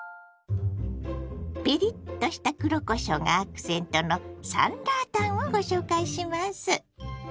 ピリッとした黒こしょうがアクセントの酸辣湯をご紹介します。